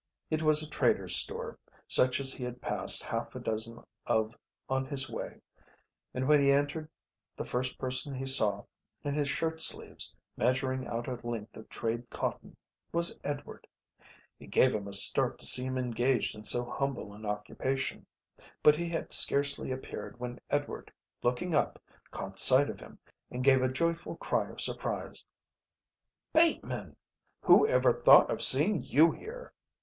It was a trader's store, such as he had passed half a dozen of on his way, and when he entered the first person he saw, in his shirt sleeves, measuring out a length of trade cotton, was Edward. It gave him a start to see him engaged in so humble an occupation. But he had scarcely appeared when Edward, looking up, caught sight of him, and gave a joyful cry of surprise. "Bateman! Who ever thought of seeing you here?"